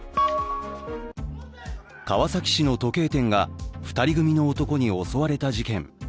川崎市の時計店が２人組の男に襲われた事件。